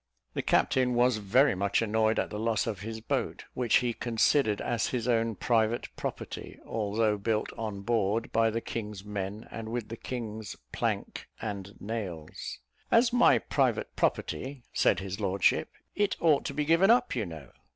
The captain was very much annoyed at the loss of his boat, which he considered as his own private property, although built on board by the king's men, and with the king's plank and nails. "As my private property," said his lordship, "it ought to be given up, you know."